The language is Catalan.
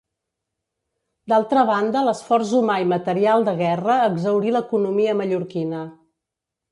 D'altra banda l'esforç humà i material de guerra exhaurí l'economia mallorquina.